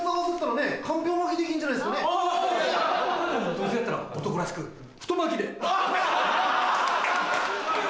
どうせだったら男らしく太巻きで。